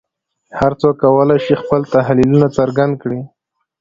هر څوک وکولای شي خپل تحلیلونه څرګند کړي